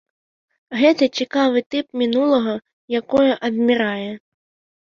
Гэта цікавы тып мінулага, якое адмірае.